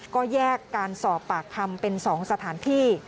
ก็แยกการสอบปากคำเป็น๒สถานที่